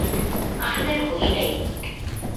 أحضره إلي.